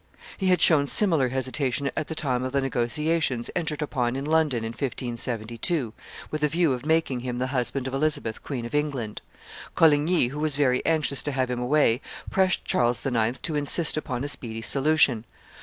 He had shown similar hesitation at the time of the negotiations entered upon in London, in 1571, with a view of making him the husband of Elizabeth, Queen of England: Coligny, who was very anxious to have him away, pressed Charles IX. to insist upon a speedy solution.